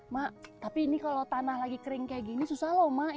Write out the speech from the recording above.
mak tapi ini kalau tanah lagi kering kayak gini susah loh mak